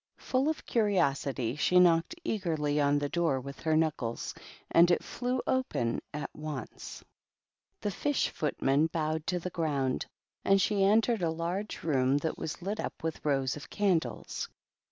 Full curiosity, she knocked eagerly on the door n THE GBEAT OCCASION. 239 her knuckles, and it flew open at once. The fish footman bowed to the ground, and she entered a large room that was lit up with rows of candles.